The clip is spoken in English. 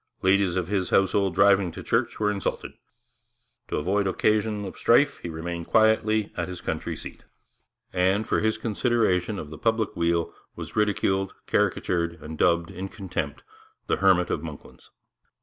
Ladies of his household driving to church were insulted. To avoid occasion of strife he remained quietly at his country seat; and, for his consideration of the public weal, was ridiculed, caricatured, and dubbed, in contempt, the Hermit of Monklands.